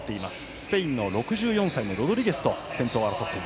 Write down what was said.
スペインの６４歳のロドリゲスと先頭争い。